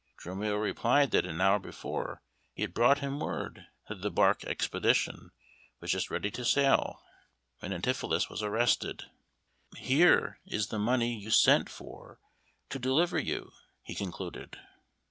Dromio replied that an hour ago he had brought him word that the bark Expedition was just ready to sail, when Antipholus was arrested. "Here is the money you sent for to deliver you," he concluded.